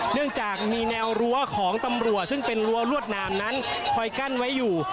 เนื่องจากมีแนวรั้วของตำรวจซึ่งเป็นรั้วลวดนามนั้นคอยกั้นไว้อยู่